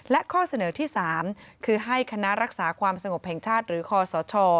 และข้อเสนอที่๓คือให้คณะรักษาความสงบแห่งชาติหรือคอสช